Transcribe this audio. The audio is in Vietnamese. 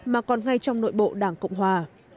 mà còn ngay trong nội bộ đảng cộng hòa